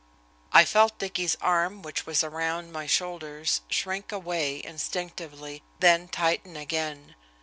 I felt Dicky's arm which was around my shoulders shrink away instinctively, then tighten again.